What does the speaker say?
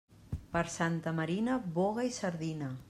Per Santa Marina, boga i sardina.